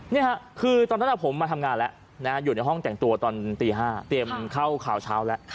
นี่ค่ะคือตอนนั้นผมมาทำงานแล้วอยู่ในห้องแต่งตัวตอนตี๕เตรียมเข้าข่าวเช้าแล้ว